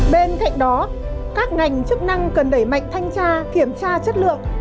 bên cạnh đó các ngành chức năng cần đẩy mạnh thanh tra kiểm tra chất lượng